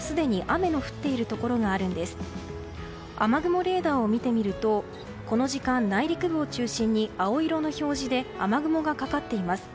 雨雲レーダーを見てみるとこの時間、内陸部を中心に青色の表示で雨雲がかかっています。